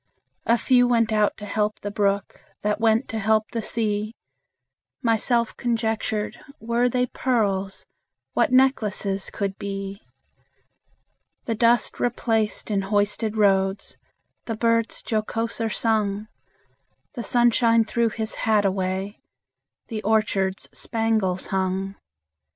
A few went out to help the brook, That went to help the sea. Myself conjectured, Were they pearls, What necklaces could be! The dust replaced in hoisted roads, The birds jocoser sung; The sunshine threw his hat away, The orchards spangles hung.